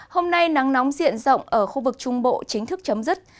hôm nay nắng nóng diện rộng ở khu vực trung bộ chính thức chấm dứt